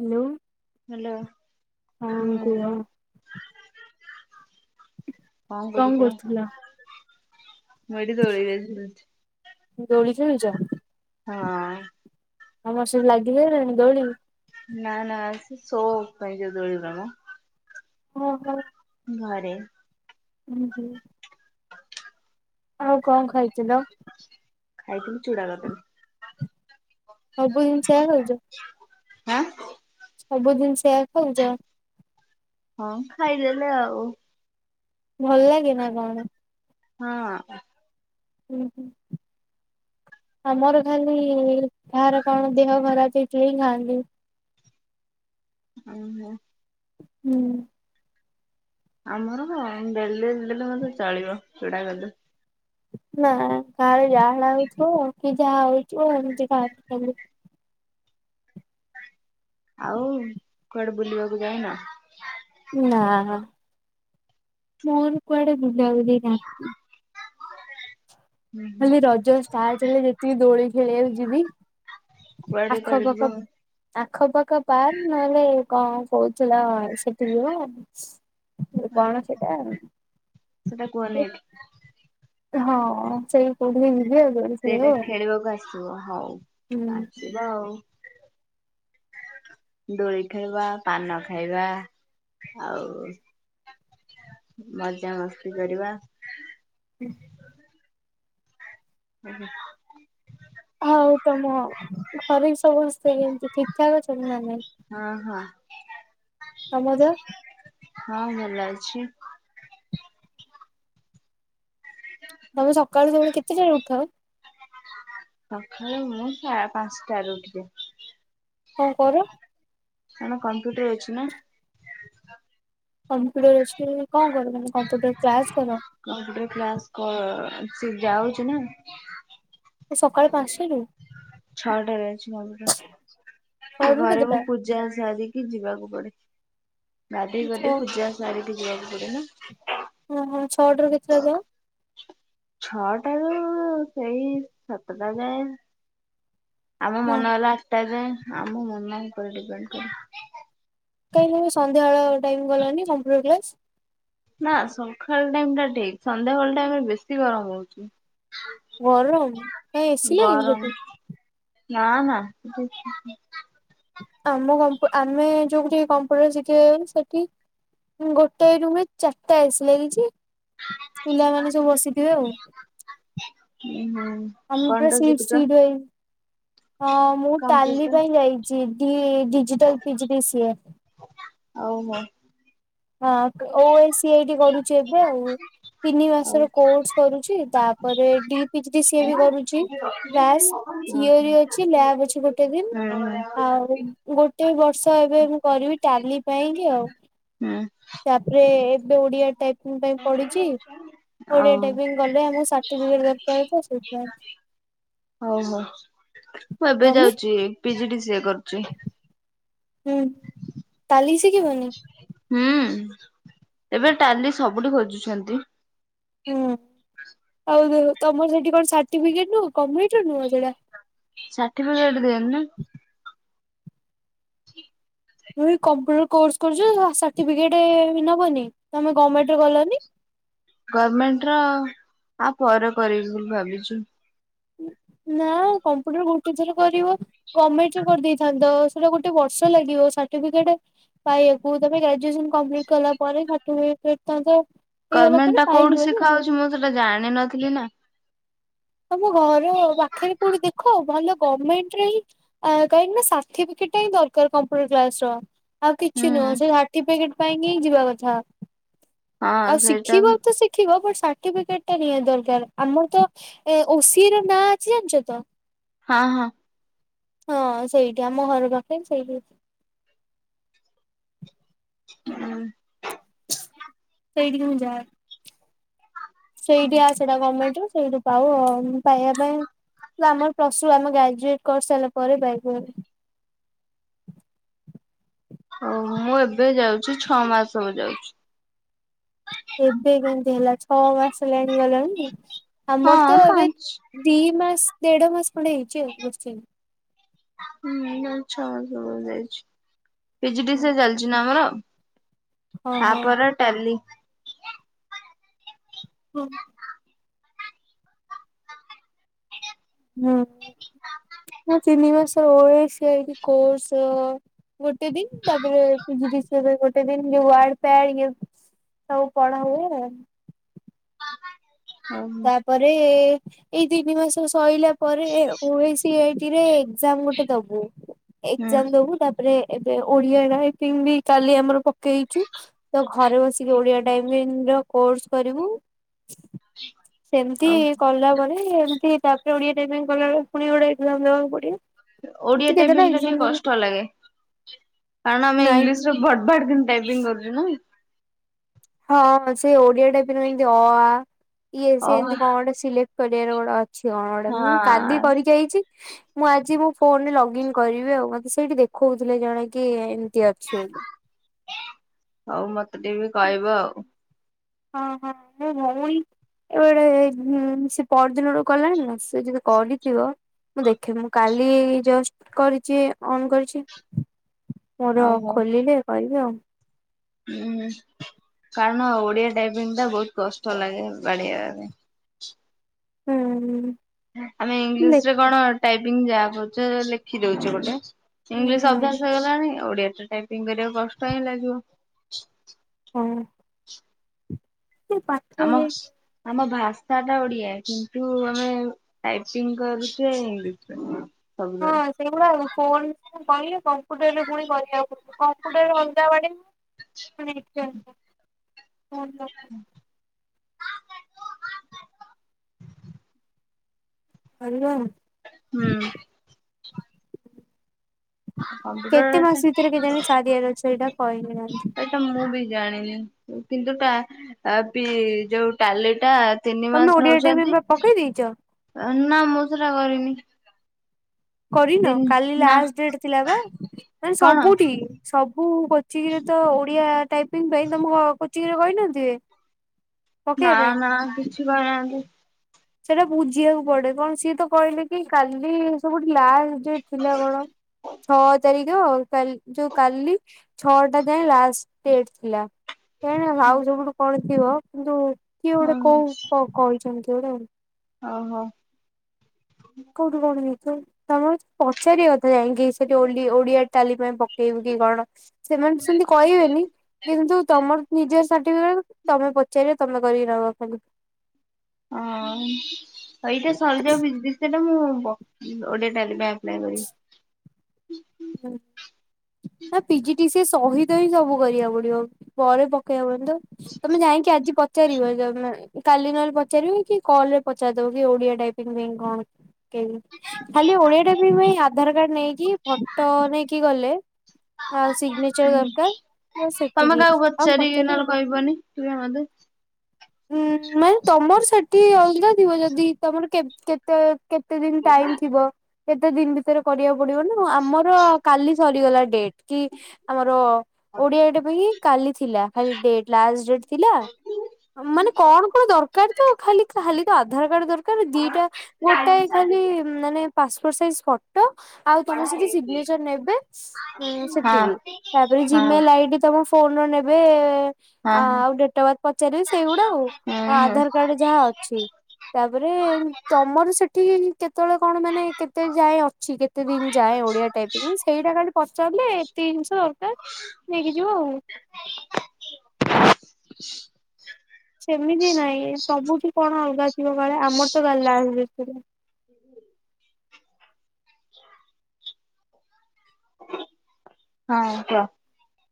Hello. Hello ହଁ ହୁଁ। କୁହ ମୁଁ ଏଠି କଣ କରୁଥିଲ? ଦୋଳି ଝୁଲୁଛି। ଦୋଳି ଖେଳୁଛ? ହଁ। ତମର ସେ ଲାଗିସାଇଲାଣି ଦୋଳି? ନାଁ ନାଁ ସେ ସୋ ଅପ୍ ପାଇଁ ଯୋଉ ଦୋଳି ଉରା ମ। ଓ ହୋ ଘରେ। ହୁଁ ହୁଁ। ଆଉ କଣ ଖାଇଥିଲ? ଖାଇଥିଲି ଚୁଡ଼ାକଦଳୀ। ସବୁ ଜିନିଷଓରା ଖାଉଛ। ହଁ। ସବୁଦିନି ସେଇଆ ଖାଉଛ। ହଁ ଖାଇଦେଲେ ଆଉ। ଭଲ ଲାଗେ ନା କଣ। ହଁ। ହୁଁ ହୁଁ। ଆମର ଖାଲି କାହାର କଣ ଦେହ ଖରାପ ହେଇଥିଲେ ହେଁ ଖାଆନ୍ତି। ଓହୋ। ହୁଁ। ଆମର ଡେଲିଡେଲି ଦେଲେ ମଧ୍ୟ ଚଳିବ ଚୁଡାକଦଳୀ। ନା କାହାର ଝାଡା ହେଉଥିବ କି ଯାହା ହଉଥିବ ଏମତିଖାଆନ୍ତି ଡେଲି। ଆଉ କୁଆଡେ ବୁଲିବାକୁ ଯାଉନ। ନା ନା ମୋର କୁଆଡେ ବୁଲାବୁଲି ନାଇଁ। ହୁଁ ହୁଁ ଖାଲି ରଜ ଷ୍ଟାର୍ଟ ହେଲେ ଯେତିକି ଦୋଳି ଖେଳିବାକୁ ଯିବି କୁଆଡେ ଆଖ କୁଆଡେ ଯିବ ପାାଖ। ଆଖପାଖ ପାର୍କ ନହେଲେ କଣ। କହୁଥିଲା ସେଠି ଯିବ ମୁଁ କହିଲି କଣ ସେଇଟା। ସେଇଟା କୁହନି ଏଠି। ହଁ ସେଇ କହୁନି। ଦିଅ ଜଲଦି। ସେଇଟା ଖେଳିବାକୁ ଆସିବ ହଉ ହୁଁ ଆସିବା ଆଉ। ଦୋଳି ଖେଳିବା ପାନ ଖାଇବା ଆଉ। ମଜାମସ୍ତି କରିବା। ହୁଁ। ହୁ ହୁ ହଉ ତମ ଘରେ ବି ସମସ୍ତେ ଏମିତି ଠିକ ଠାକ୍ ଅଛନ୍ତି ନା ନାଇଁ। ହଁ ହଁ। ତମ ଦେହ। ହଁ ଭଲ ଅଛି। ତମେ ସକାଳୁ ସବୁବେଳେ କେତେଟାରେ ଉଠ। ସକାଳୁ ମୁଁ ପାଞ୍ଚଟାରେ ଉଠେ। କଣ କର। ଆମର କମ୍ପ୍ୟୁଟର ଅଛି ନା। କମ୍ପ୍ୟୁଟର ଅଛି କଣ କର ମାନେ କମ୍ପ୍ୟୁଟର କ୍ଲାସ କର। କମ୍ପ୍ୟୁଟର କ୍ଲାସ କରି ଯାଉଛିୁ ନା। ମୁଁ ସକାଳ ପାଞ୍ଚଟାରୁ। ଛଅଟାରେ ଅଛି କମ୍ପୁଟର କ୍ଲାସ ଛଅଟାରୁ ଘରେ କେତେଟା ମୁଁ ପୂଜା ସାରିକି ଯିବାକୁ ପଡେ। କାଲି ଛଅ ଗଲେ ପୂଜା ସାରିକି ଯିବାକୁ ପଡିବ। ଓହୋ ଛଅଟାରୁ କେତେଟା ଯାଅ। ଛଅଟାରୁ ସେଇ ସାତଟା ଯାଏ। ଆମ ହଁ ମନ ହେଲା ଆଠଟା ଯାଏ ଆମ ମନ ଉପରେ ଡିପେଣ୍ଡ କରେ। କାହିଁକି ସନ୍ଧ୍ୟାବେଳ ଟାଇମ ଗଲନି କମ୍ପୁଟର କ୍ଲାସ। ନା ସକାଳ ଟାଇମ ଟା ଠିକ ସନ୍ଧ୍ୟାବେଳ ଟାଇମ ବେଶୀ ଗରମ ହଉଛି। ଗରମ କାହିଁ ଏସି ଲାଗିନିକି ସେଠି। ହଁ ହଁ। ଆମ କମ୍ପୁଟର ଆମେ ଯୋଉଠେ କମ୍ପୁଟର ଶିଖିଯାଉନୁ ସେଠି ଗୋଟେ ରୁମରେ ଚାରିଟା ଏସି ଲାଗିଛି ପିଲାମାନେ ସବୁ ବସିଥିବେ ଆଉ। ହୁଁ ହୁଁ [unintelligible] ଆମର ପୁର ସିଟ [unintelligible] ହଁ ମୁଁ ଟାଲି କମ୍ପ୍ୟୁଟର ପାଇଁ ଯାଇଛିି ଥିଲା ଥ୍ରୀ ଡି ଡିଜିଟାଲ ପିଜିଡିସିଏ। ଆଉ ମ। ହଁ ଓ ଆଇ ସି ଆ ଟି କରୁଛି ଏବେ ଆଉ ତିନି ଆଉ ମାସର କୋର୍ସ କରୁଛି ତାପରେ ଡି ପି। ପିଚ ସିଏ ହୁଁ ବି କରୁଛି୍ କ୍ଲାସ ଥିଓର ଅଛି ଲବ ଅଛି ଗୋଟେ ଦିନି ଆଉ ଗୋଟେ ବର୍ଷ ଏବେ ମୁଁ କରିବି ଟାଲି ପାଇଁକି ଆଉ। ହୁଁ। ତାପରେ ଏବେ ଓଡିଆ ଟାଇପିଙ୍ଗ ପାଇଁ ପଢିଛି ଓଡିଆ ଆଉ ଟାଇପିଙ୍ଗ। ଗଲେ ଆମକୁ ସାର୍ଟପିକେଟ ଦରକାର ତ ସେଇଥିପାଇଁ। ହଉ ହଉ ମୁଁ ଏବେ ତମେ? ଯାଉଛି ପିଜି ଡି ସିଏ କରୁଛି। ହୁଁ ଟାଲି ଶିଖିବନି। ହୁଁ ଏବେ ଟାଲି ସବୁଠି ଖୋଜୁଛନ୍ତି। ହୁଁ ଆଉ ତମର ସେଠି କଣ ସାର୍ଟିଫିକେଟ ନୁହ କମିଟିରୁ ନୁହଁ ସେଡା। ସାଟିଫିକେଟ ଦିଅନ୍ତି ନା। [unintelligible] ମୁ କମ୍ପୁଟର କୋସ କରୁଛୁ ସାର୍ଟିଫିକେଟ ନବନି ତମେ ଗମେଣ୍ଟରେ କଲନି। ଗମେଣ୍ଟ ର ଆ ପରେ କରିବି ବୋଲି ଭାବିଛୁ। ନା କମ୍ପ୍ୟୁଟର ଗୋଟେ ଥର କରିବ। ଗମେଣ୍ଟ ରେ କରିଦେଇଥାନ୍ତ ସେଟା ଗୋଟେ ବର୍ଷ ଲାଗିବ ସାର୍ଟିଫିକେଟ। ପାଇବାକୁ ତମେ ଗ୍ରାଜୁଏସନ କମ୍ପ୍ଲିଟ କଲା ପରେ [unintelligible] ପଥାନ୍ତ ଗମେଣ୍ଟା କୋଉଠି ଶିଖା ହଉଛି ମୁଁ ସେଟା ଜାଣିନଥିଲି ନା। ତମ ଘର ପାଖରେ କୋଉଠି ଦେଖ ଭଲ ଗମେଣ୍ଟ ରେ ହିଁ ଆ କାହିଁକି ନା ସାର୍ଟିର୍ଫିକେଟ ହିଁ ଦରକାର କମ୍ପ୍ୟୁଟର କ୍ଲାସ ର। ଆଉ କିଛି ନୁହଁ ସେ ସାର୍ଟିଫିକେଟ ପାଇଁ ହିଁ ଯିବା କଥା ହଁ ଆଉ ସେଇଟା ଶିଖିବାକୁ ତ ସେ ଶିଖିବ ସାଟିଫିକେଟ ଟା ନିହାତି ଦରକାର ଆମର ତ ଏ ଓସିି ର ନାଁ ଅଛି ଜାଣିଛ ତ ହଁ ହଁ। ହଁ ସେଇଠି ଆମ ଘର ପାଖେ ସେଇଠି। ହୁଁ। ସେଇଠି କି ମୁଁ ଯାଏ। ସେଇଠିଆ ସେଇଟା ଗର୍ମେଣ୍ଟର ସେଇଠୁ ପାଉ ପାଇବା ପାଇଁ। ଆମର ପ୍ଲ ଟୁ ଆମ ଗ୍ରାଜୁଏଟ୍ କରିସାରିଲା ପରେ ବାଇବୁ। ହଉ ମୁଁ ଏବେ ଯାଉଛି ଛଅ ମାସକୁଯାଉଛି। ଏବେ କେମିତି ହେଲା ଛଅ ମାସ ହେଲାଣି ଗଲାଣି ଆମର ତ ହଁ ଏବେ ପାଞ୍ଚ ଦି ମାସ ଦେଢ ମାସ ଖଣ୍ଡେ ହେଇଛି ଆଉ ବସିନି। ହୁଁଛଅ ମାସ ହବ ଯାଇଛି ପିଜିଡି ସି ଚାଲଛି। ଅଜନାମର ହଁ ହଁ ତାପ ଟେଲି [unintelligible] ହୋ। ହୁଁ ମୁଁ ତିନି ମାସେ ଓଏସି କୋର୍ସ ଅ ଗୋଟେ ଦିନ ତାପରେ ପିଜି ଡିସି ଏବେଗୋଟେଦିନ ଯେଉଁୱଡ ପ୍ଲାଡ ଇ ସବୁ ପଢ଼ା ହୁଏ ଏନ୍ ହଉ ତାପରେ ଏ ଏ ଏଇ ତିନି ମାସ ସଇଲା ପରେ ଓ ଏଇ ସି ଆଇ ଟିରେ ରେ ଏଗ୍ଜାମ ଗୋଟେ ଦବୁ। ହୁଁ ଏକ୍ଜାମ ଦବୁ ତାପରେ ଏବେ ଓଡ଼ିଆ ରାଇପିଙ୍ଗ ବି କାଲି ଆମର ପକେଇଛୁ। ତ ଘରେ ବସିକି ଓଡ଼ିଆ ଟାଇପିଙ୍ଗ ର କୋର୍ସ କରିବୁ। ସେମତି ହଉ କଲା ପରେ ଏମିତି ତାପରେ ଓଡ଼ିଆ ଟାଇପିଙ୍ଗ କଲାବେଳେ ଫୁଣି ଗୋଟେ ଏଗଜାମ ଦବାକୁ ପଡ଼ିବ। ଓଡ଼ିଆ ଟାଇପିଙ୍ଗ ଟା ଟିକେ କଷ୍ଟ ଲାଗେ କାରଣ ଆମେ ନାଇଁ ଇଂଲିଶର ଭଡ଼ ଭାଡ଼ କିନ ଟାଇପିଙ୍ଗ କରୁଚୁ ନାଇଁ? ହଁ ସେ ଓଡ଼ିଆ ଟାଇପିଙ୍ଗ ପାଇଁ ଯେନ୍ତି ଅ ଆ ଇଏ ଓ ସିଏ ଏମତି ହଁ କଣ ଗୋଟେ ସିଲେକ୍ଟ କରିବାର ଗୋଟେ ଅ ଛି ଅଣ ଗୋଟେ ମୁଁ କାଲି କରିକି ଆଇଛି। ମୁଁ ଆଜି ମୋ ଫୋନରେ ଲଗ ଇନ କରିବି ଆଉ ମତେ ସେଇଠି ଦେଖଉଥିଲେ ଜଣେ। କି ଏନ୍ତି ଅଛି ବୋଲି। ହଉ ମତେ ଟିକେ ବି କହିବ ଆଉ। ହଁ ହଁ ମୋ ଭଉଣୀ ଏବେ ଗୋଟେ ହେଇ ଉଁ ସିଏ ପରଦିନ ଠୁ କଲାଣି ନା ସେ ଯଦି କରିଥିବ ମୁଁ ଦେଖେ ମୁଁ କାଲି ଜଷ୍ଟ କରିଚି ଅନ କରିଛି। ମୋର ଆଉ ହଉ ଖୋଲିଲେ କହିବି ଆଉ। ହୁଁ କାରଣ ଓଡ଼ିଆ ଟାଇପିଙ୍ଗ ଟା ବହୁତ କଷ୍ଟ ଲାଗେ ବାଡ଼େଇବା ପାଇଁ। ହୁଁ ହୁଁ। ଆମେ ଇଂଲିଶ ଦେଖ ରେ କଣ ଟାଇପିଙ୍ଗ ଯାହା ପାରୁଚେ ଲେଖି ଦଉଚେ ଗୋଟେ। ଇଂଲିଶ ଅଭ୍ୟାସ ହେଇଗଲାଣି ଓଡ଼ିଆ ଟା ଟାଇପିଙ୍ଗ କରିବାକୁ କଷ୍ଟ ହିଁ ଲାଗିବ। ହଁ ସେ ପା ଆମ ସ୍ ଆମ ଭାଷା ଟା ଓଡ଼ିଆ କିନ୍ତୁ ଆମେ ଟାଇପିଙ୍ଗ କରୁଚେ ଇଂଲିଶ ରେ ସବୁବେଳେ। ସେଇ ଗୁଡ଼ା ଉଁ ଫୋନ କରିଲେ କମ୍ପ୍ୟୁଟରରେ ଫୁଣି କରିବାକୁ ପଡ଼ୁଚି କ କମ୍ପୁଟର ରେ ଅଲଗା ବାଡ଼େଇ ହୁଏ [unintelligible] ହଁ ହାଲୋ। ହୁଁ। କମ୍ପ୍ୟୁଟର କେତେ ଟା ମାସ ଭିତେରେ କେଜାଣି ସାରିବାର ଅଛି ଏଇଟା କହିନାହାନ୍ତି? ସେଟା ମୁଁ ବି ଜାଣିନି କିନ୍ତୁା ଟା ଅ ପି ଯୋଉ ଟାଲିଟା ତିନି ତମେ ମାସ ଓଡିଆ ଟା ବି ନଉଛନ୍ତି? ବା ପକେଇ ଦେଇଛ ଏଁ ନା ମୁଁ ସେଟା କରିନି। କରିନ ତିନି କାଲି ନା ଲାଷ୍ଟ ଡ଼େଟ ଥିଲା ବା ମାନେ କଣ ସବୁ ଠିକି ସବୁ କୋଚିଂ ରେ ତ ଓଡ଼ିଆ ଟାଇପିଙ୍ଗ ପାଇଁ ତମୁକୁ ଅ କୋଚିଂରେ କହିନଥିବେ? ନା ପକେଇବା ପାଇଁ ନା କିଛି କହିନାହାନ୍ତି। ସେଟା ବୁଝିବାକୁ ପଡ଼େ କଣ ସିଏ ତ କହିଲେ କି କାଲି ସବୁଠି ଲାଷ୍ଟ ଡେଟ ଥିଲା କଣ ଛଅ ତାରିକ ଆଉ। କାଲ୍ ଯୋଉ କାଲି ଛଅଟା ଯାଏଁ ଲାଷ୍ଟ ଡେଟ ଥିଲା। କେଜାଣି ଆଉ ସବୁଠୁ କଣ ଥିବ କିନ୍ତୁ କିଏ ଗୋଟେ ଓହୋ କୋଉ କ କହିଛନ୍ତି କିଏ ଗୋଟେ ଆଉ। ଓହୋ। କୋଉଠୁ କଣ ହେଇଥିବ ତମ ହଉଚ ପଚାରିବା କଥା ଯାଇଁକି ସେଠି ଓଲଡି ଓଡ଼ିଆ କାଲି ପାଇଁ ପକେଇବୁ କି କଣ ସେମାନେ ସେମିତି କହିବେନି। କିନ୍ତୁ ତମର ନିଜର ସାର୍ଟିଫିକେଟ କୁ ତମେ ପଚାରିବ ତମେ କରିକି ନବ ଖାଲି। ହଁ ଏଇଟା ସରିଯାଉ ବି ବି ସେଟା ମୁଁ ବ ଓଡ଼ିଆ ଟାଇପିଙ୍ଗ ପାଇଁ ଆପ ନାଇଁ [unintelligible] [inaudible] ନା ପିଜି ଟିସି ସହିତ ହିଁ ସବୁ କରିବାକୁ ପଡ଼ିବ। ପରେ ପକେଇବାକୁ [unintelligible] ତମେ ଯାଇଁ। କି ଆଜି ପଚାରିବ ତମେ କାଲି ନହେଲେ ପଚାରିବ କି? କଲରେ ପଚାରିଦବ କି? ଓଡ଼ିଆ ଟାଇପିଂ ପାଇଁ କଣ? ଖାଲି ଓଡ଼ିଆଟା ପାଇଁ ଆଧାର କାର୍ଡ ନେଇକି, ଫଟୋ ନେଇକି ଗଲେ। ଆଉ ସିଗ୍ନେଚର ଦରକାର ନା, ତମେ ସେତିକି କାହାକୁ ଆଉ ପଚାରିକି ନହେଲେ ପଚାରିବ। କହିବନି ତୁମେ ମତେ। ଉଁ ମାଇଁ ତମର ସେଠି ଅଲଗା ଥିବ, ଯଦି ତମର କେବ କେତେ କେବ୍ କେତେ ଦିନ ଟାଇମ୍ ଥିବ? କେତେ ଦିନ ଭିତରେ କରିବାକୁ ପଡ଼ିବ ନା ଆମର? [unintelligible] କାଲି ସରିଗଲା ଡେଟ୍ କି ଆମର? ଓଡି଼ଆଟା ପାଇଁ କାଲି ଥିଲା, ଖାଲି ଡେଟ୍, ଲାଷ୍ଟ୍ ଡେଟ୍ ଥିଲା। ମାନେ କଣ କଣ ଦରକାର୍? ତ ଖାଲି ଖାଲି ତ ଆଧାର କାର୍ଡ ଦରକାର ଦିଇଟା? ଗୋଟାଏ ଖାଲି, ମାନେ ପାସପୋର୍ଟ ସାଇଜ୍ ଫଟୋ ଆଉ ତମର ସେଠି ସିଗ୍ ନେଚର୍ ନେବେ ଉଁ ହଁ ସେତିକି। ତା ପରେ ହଉ ଜିମେଲ୍ ଆଇଡି ତମ। ଫୋନ୍ ରେ ନେବେ ହଁ ହଁ ଆଉ ଡଟ୍ ଅଫ୍ ବାର୍ଥ ପଚାରିବି, ସେଇଗୁଡ଼ା ଆଉ ହଁ ହଁ। ଆଧାର କାର୍ଡ୍। ଯାହା ଅଛି ତାପରେ ତମର ସେଠି କେତ୍? କେତେବେଳେ କଣ ମାନେ କେତେ ଯାଏଁ ଅଛି କେତେ ଦିନ ଯାଏଁ ଓଡି଼ଆ? ସେତିକି ମୁଁ ସେଇଟା କାଲି ପଚାରିଲି। ତିନଶ ଦରକାର ନେଇକି ଯିବ ଆଉ। [unintelligible] ସେମିତି ନାଇଁ ସବୁଠି କଣ ଅଲଗା ଥିବ? କାଳେ ଆମର ତ ଗାଲା [unintelligible] ହୁଁ। ହଁ, କୁଅ।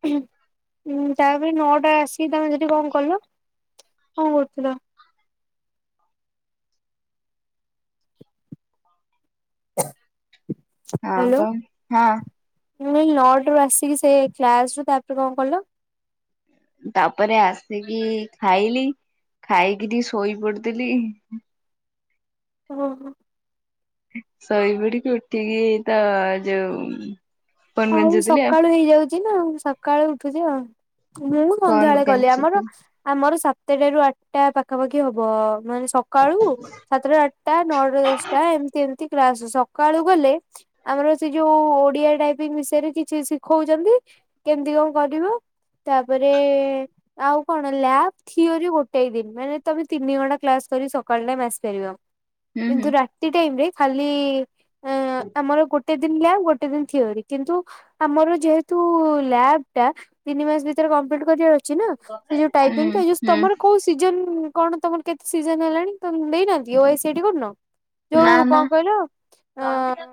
ହୁଁ, ତାପରେ ନଅଟା ଆସିକି ତମେ ସେଠି କଣ କଲ? କଣ କରୁଥିଲ? ଆଁ ହ୍ୟାଲୋ କଣ ହାଁ। ମୁଁ ଏଇ ନଅଟା ରୁ ଆସିକି ସେ କ୍ଲାସ୍ ରୁ ତା, ପରେ କଣ କଲ? ତା, ପରେ ଆସିକି ଖାଇଲି। ଖାଇକି ଟି ଶୋଇ ପଡ଼ିଥିଲି। ଓହୋ। ଶୋଇପଡି଼କି ଉଠିକି ତ, ଯୋଉ ଫୋନ୍ ଆଉ ଗେଞ୍ଜୁଥିଲି ସକାଳୁ ହେଇଯାଉଚି ନା, ଆଉ ସକାଳୁ ଉଠୁଚି ଆଉ। ମୁଁ କଣ ସନ୍ଧ୍ୟାବେଳେ ଗଲି। କାଚିକି ଆମର ଆମର ସାତେଟାରୁ ଆଠଟା ପାଖାପାଖି ହବ। ମାନେ, ସକାଳୁ ସାତଟା, ଆଠଟା, ନଅଟା, ଦଶଟା, ଏମତି ଏମତି କ୍ରାସ ସପ୍ ସକାଳୁ ଗଲେ ଆମର ସେ ଯୋଉଁ ଓଡ଼ିଆ ଟାଇପ୍ ପିଙ୍ଗ୍ ବିଷୟରେ କିଛି ଶିଖଉଚନ୍ତି, କେମତି କଣ କରିବ, ତାପରେ ଆଉ କଣ, ଲ୍ୟାବ୍? ଥିଓରି ଗୋଟାଇ ଦିନ, ମାନେ ତମେ ତିନି ଘଣ୍ଟା କ୍ଲାସ୍ କରି ସକାଳ ଟାଇମ୍ ଆସି ପାରିବ। ହୁଁ ହୁଁ କିନ୍ତୁ ରାତି ଟାଇମ୍ ରେ ଖାଲି, ଅଁ ଆମର ଗୋଟେ ଦିନ ଲ୍ୟାବ୍, ଗୋଟେ ଦିନ ଥିଓରି। କିନ୍ତୁ ଆମର ଯେହେତୁ ଲ୍ୟାବ୍ ଟା ତିନି ମାସ ଭିତରେ କମ୍ପ୍ଲିଟ୍ କରିବାର ଅଛ୍। ଅଛି ନା ସେ ଯୋଉ ହୁଁ ଟାଇପିଂଟା ଏ ଯୋଉ ହୁଁ ତମର କୋଉ ସିଜନ୍? କଣ ତମର କେତେ ସିଜନ୍ ହେଲାଣି? ତମେ ଦେଇନାହାନ୍ତି ଓ ଐଶି ଏଠି କରୁନ? ନା ଯୋଉ ନା କଣ କହିଲ ଏଁ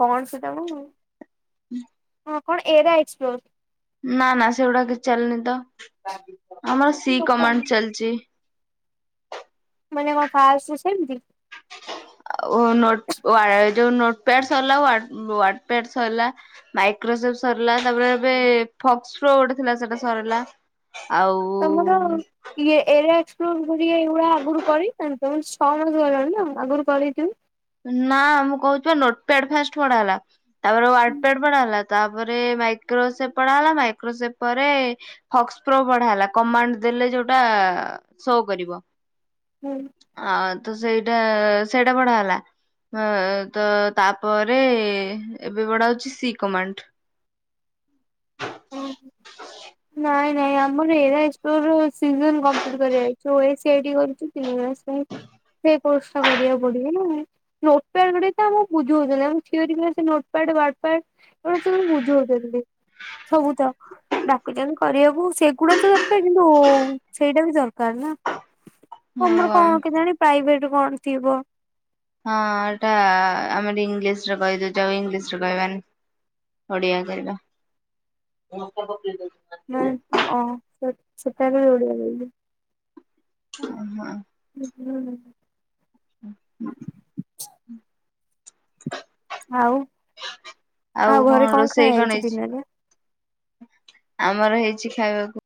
କଣ ସେଟ ମୁ [unintelligible] ହୁଁ ହଁ, କଣ ଏଟା ଏକ୍ସପ୍ଲୋର୍? ନାଁ ନାଁ, ସେଗୁଡ଼ା କିଚ୍ ଚାଲିନି ତ ଆମର ସି କମାଣ୍ଡ୍ ଚାଲିଚି। ମାନେ କଣ ଫାସ୍ ରୁ ସେମତି? ଆଉ ନୋଟ୍ ଆ ଯୋଉ ନୋଟ୍ ପ୍ୟାଡ଼୍ ସରିଲା ଆଉ ୱାର୍ଡ୍‌ପ୍ୟାଡ୍ ସରଲା। ମାଇକ୍ରୋସଫ୍ଟ ସରିଲା ତା, ପରେ ଏବେ ଫକ୍ସପ୍ରୋ ଗୋଟେ ଥିଲା ସେଟା ସରିଲା ଆଉ। ତମର ଇଏ ଏରେ ଏକ୍ସପ୍ଲୋର କରଇଗୁଡଆ ଆଗରୁ କରି ଛଅ ମାସ ଗଲଣିନା ତ ଆଗରୁ କରିଥିବୁ। ନା ମୁଁ କହୁ ନୋଟ୍ ପ୍ୟାଡ୍ ଫାଷ୍ଟ ବଢା ହେଲା ତାପରେ ୱାର୍ଡ ପ୍ୟାଡ୍ ବଢା ହେଲା। ତାପରେ ମାଇକ୍ରୋସେପ ପଢା ହେଲା ମାଇକ୍ରୋସେପ ପରେ ଫକ୍ସ ପ୍ରୋ ପଢା ହେଲା କମାଣ୍ଡ ଦେଲେ ଯୋଉଟା ଶୋ କରିବ। ହୁଁ। ଆଉ ତ ସେଇଟା ସେଇଟା ପଢା ହେଲା। ହ ତ ତାପରେ ଏବେ ପଢା ହଉଛି ସି କମାଣ୍ଡ୍। ଓ ହୋ। ନାଇଁ ନାଇଁ ଆମ ଆମର ଏରା ଏକ୍ସପ୍ଲୋର୍ ର ସିଜନ୍ କମ୍ପ୍ଲିଟ୍ କରାହେଇଛି ଓ ଏ ସି ଏଡି କରୁଚୁ ତିନି ମାସ ପାଇଁ। ସେ କୋର୍ସ ଟା କରିବାକୁ ପଡିବ ନା। ନୋଟ୍ ପ୍ୟାଡ଼୍ ଗୁଡିକ ଆମକୁ ବୁଝଉ ଥିଲେ ଆମ ଥିଓରୀ କ୍ଲାସ ରେ ନୋଟ୍ ପ୍ୟାଡ଼୍ ୱର୍ଡ ପ୍ୟାଡ଼୍ ଏଉଡା ସବୁ ବୁଝଉଛନ୍ତି। ସବୁ ତ ଡାକୁଛନ୍ତି କରିବାକୁ ସେଗୁଡା ତ ଦରକାର କିନ୍ତୁ ସେଇଟା ବି ଦରକାର ନା। ହଉ ତମର ଆମ କଣ କେଜାଣି ପ୍ରାଇଭେଟ କଣ ଥିବ। ହଁ ଏଇଟା ଆମେ ଏଟି ଇଂଲିଶ ରେ କହି ଦୋଉଚ ଇଂଲିଶ ରେ କହିବାନି। ଓଡ଼ିିଆ କଇଲ। ମ ଅ ସେ ସେତେବେଳେ ଓଡ଼ିିଆ କଇଲି। ଅ ହଁ [unintelligible] ଆଉ ଆଉ ଘରେ କଣ ଖାଆ ଯାଇଛି ଦିନରେ। ଆମର ହେଇଚି ଖାଇବାକୁ